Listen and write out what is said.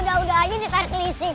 ya udah aja nih tarik kelihisi